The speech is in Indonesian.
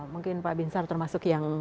mungkin pak bin sar termasuk yang